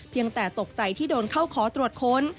แต่ตกใจที่โดนเข้าขอตรวจค้น